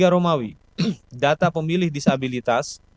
romawi data pemilih disabilitas